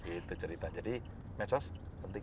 itu cerita jadi medsos penting